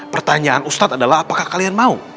pertanyaan ustadz adalah apakah kalian mau